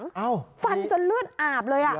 ที่ฟันจนเลือดอาบเลย